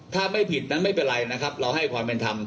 ถ้าไม่ผิดนั้นไม่เป็นไรนะครับเราให้ความเป็นธรรม